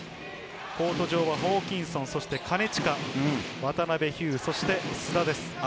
コート上はホーキンソン、金近、渡邉、そして須田です。